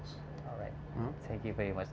semoga beruntung untukmu sampai jumpa lagi